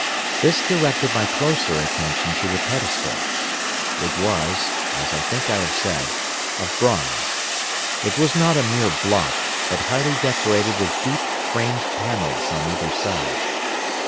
This directed my closer attention to the pedestal. It was, as I think I have said, of bronze. It was not a mere block, but highly decorated with deep framed panels on either side.